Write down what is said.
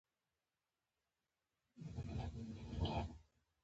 • خندا د زړه دروازه خلاصوي.